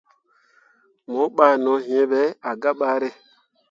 Mo ɓah no hĩĩ ɓe ah gah bare.